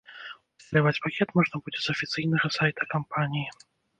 Усталяваць пакет можна будзе з афіцыйнага сайта кампаніі.